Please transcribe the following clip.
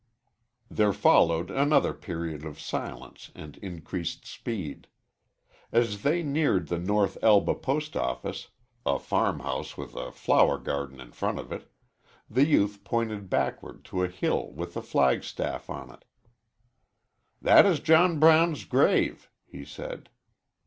There followed another period of silence and increased speed. As they neared the North Elba post office a farmhouse with a flower garden in front of it the youth pointed backward to a hill with a flag staff on it. "That is John Brown's grave," he said.